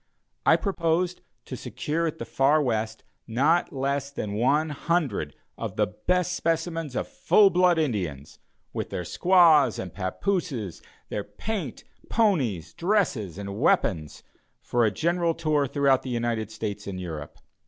I proposed to secure at the far West not less than one hundred of the best specimens of full blood Indians, with their squaws and papooses, their paint, ponies, dresses, and weapons, for a general tour throughout the United States and Europe.